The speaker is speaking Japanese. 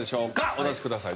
お出しください。